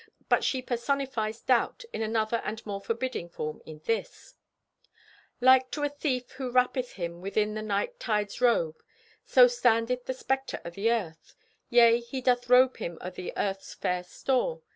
But she personifies Doubt in another and more forbidding form in this: Like to a thief who wrappeth him Within the night tide's robe, So standeth the specter o' the Earth; Yea, he doth robe him o' the Earth's fair store.